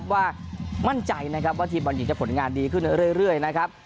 ว่ามั่นใจนะครับว่าทีมบอลหญิงจะผลงานดีขึ้นเรื่อยนะครับ